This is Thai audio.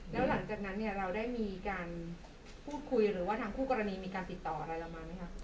แล้วหลังจากนั้นเนี่ยเราได้มีการพูดคุยหรือว่าทางคู่กรณีมีการติดต่ออะไรเรามาไหมคะ